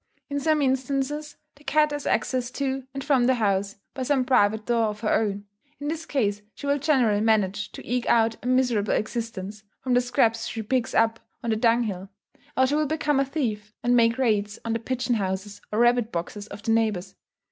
In some instances the cat has access to and from the house, by some private door of her own. In this case, she will generally manage to eke out a miserable existence, from the scraps she picks up on the dung hill; or she will become a thief, and make raids on the pigeon houses or rabbit boxes of the neighbours.